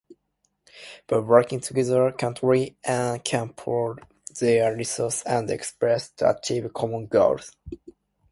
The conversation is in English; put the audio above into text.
By working together, countries can pool their resources and expertise to achieve common goals.